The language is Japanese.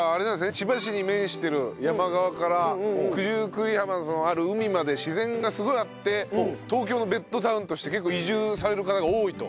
千葉市に面している山側から九十九里浜のある海まで自然がすごいあって東京のベッドタウンとして結構移住される方が多いと。